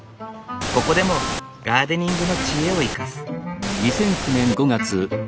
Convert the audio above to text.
ここでもガーデニングの知恵を生かす。